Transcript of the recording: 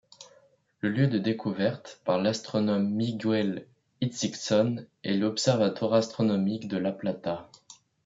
Le lieu de découverte, par l'astronome Miguel Itzigsohn, est l'observatoire astronomique de La Plata.